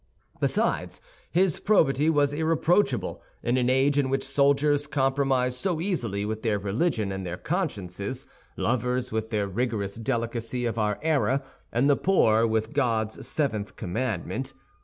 Besides, his probity was irreproachable, in an age in which soldiers compromised so easily with their religion and their consciences, lovers with the rigorous delicacy of our era, and the poor with God's Seventh Commandment.